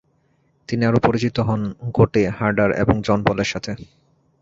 তিনি আরও পরিচিত হন গোটে, হার্ডার এবং জন পলের সাথে।